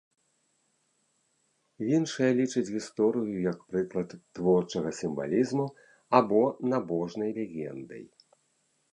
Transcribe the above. Іншыя лічаць гісторыю як прыклад творчага сімвалізму або набожнай легендай.